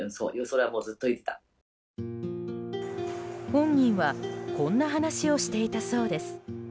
本人はこんな話をしていたそうです。